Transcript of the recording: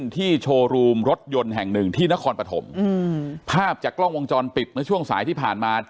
ที่โชว์รูมรถยนต์แห่งหนึ่งที่นครปฐมภาพจากกล้องวงจรปิดเมื่อช่วงสายที่ผ่านมา